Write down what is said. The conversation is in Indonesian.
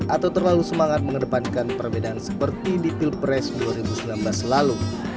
atau terlalu semangat mengedepankan perbedaan seperti di pilpres dua ribu sembilan belas lalu